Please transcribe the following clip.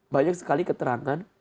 banyak sekali keterangan